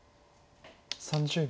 ３０秒。